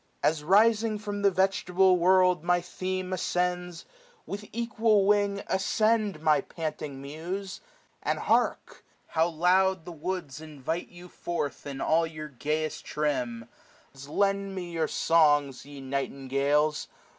As rising from the vegetable world My theme ascends, with equal wing ascend, 570 My panting Muse ! and hark, how loud the woods S P IL I N G. 13 Invite you forth in all your gayest trim. Lend me your soi^, ye nightingales